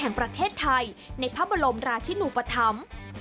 แห่งประเทศไทยในพระบรมราชินูปธรรม